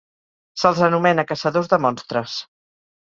Se'ls anomena caçadors de Monstres.